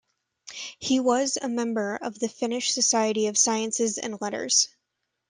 He was a member of the Finnish Society of Sciences and Letters.